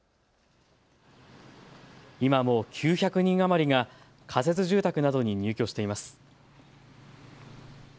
今も９００人余りが仮設住宅などに入居しています。